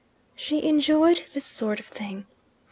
She enjoyed this sort of thing.